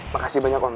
makasih banyak om